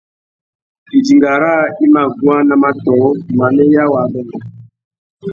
Idinga râā i mà guá nà matōh, manéya wa adôngô.